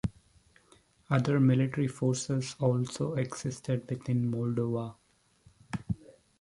Other military forces also existed within Moldova.